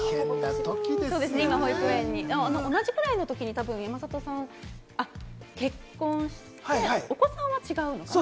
今、保育園に同じくらいのときに、たぶん山里さん、結婚してお子さんは違うのかな？